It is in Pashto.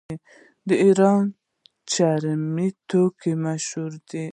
د ایران چرمي توکي مشهور دي.